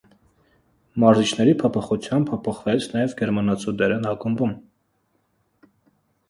Մարզիչների փոփոխությամբ փոխվեց նաև գերմանացու դերն ակումբում։